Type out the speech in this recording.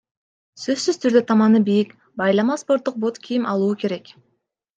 Сөзсүз түрдө — таманы бийик, байлама спорттук бут кийим алуу керек.